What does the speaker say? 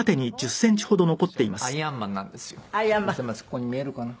ここに見えるかな？